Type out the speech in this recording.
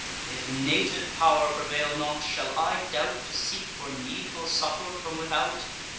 If native pow'r prevail not, shall I doubt To seek for needful succour from without?